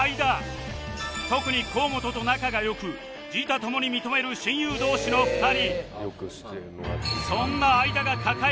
特に河本と仲が良く自他共に認める親友同士の２人